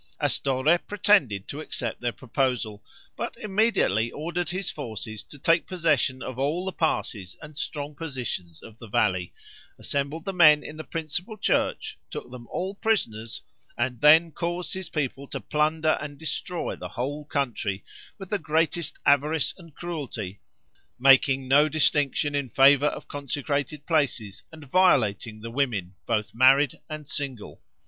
Astorre pretended to accept their proposal, but immediately ordered his forces to take possession of all the passes and strong positions of the valley, assembled the men in the principal church, took them all prisoners, and then caused his people to plunder and destroy the whole country, with the greatest avarice and cruelty, making no distinction in favor of consecrated places, and violating the women, both married and single.